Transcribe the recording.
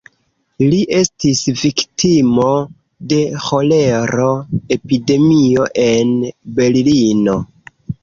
Li estis viktimo de ĥolero-epidemio en Berlino.